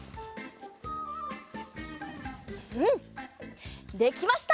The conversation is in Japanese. うんできました！